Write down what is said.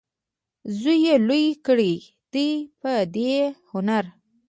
زوی یې لوی کړی دی په دې هنر.